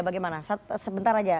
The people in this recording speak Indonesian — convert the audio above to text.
bagaimana sebentar saja